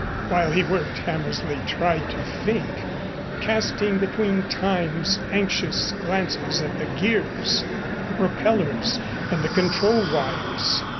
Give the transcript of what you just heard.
While he worked Hammersley tried to think, casting between times anxious glances at the gears, the propellers and the control wires.